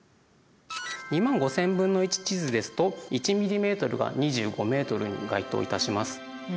２万５千分の１地図ですと１ｍｍが２５ｍに該当いたします。